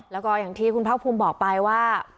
แล้วก็อย่างที่คุณภาคภูมิบอกไปว่า